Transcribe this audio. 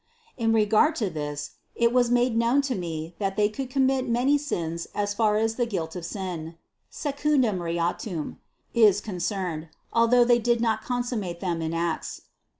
In regard to this, it was made known to me that they could commit many sins as far as the guilt of sin (secundum reatum) is con cerned, although they did not consummate them in acts.